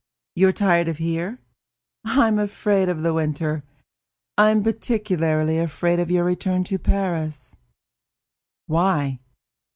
"You are tired of here?" "I am afraid of the winter; I am particularly afraid of your return to Paris." "Why?"